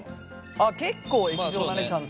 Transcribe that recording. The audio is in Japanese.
あっ結構液状だねちゃんと。